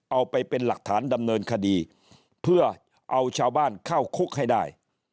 เอาไปเป็นหลักฐานดำเนินคดีเพื่อเอาชาวบ้านเข้าคุกให้ได้